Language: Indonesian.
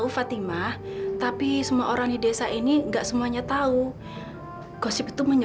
sampai jumpa di video selanjutnya